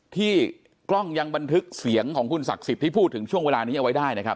ที่กล้องยังบันทึกเสียงของคุณศักดิ์สิทธิ์ที่พูดถึงช่วงเวลานี้เอาไว้ได้นะครับ